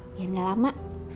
biar gak lama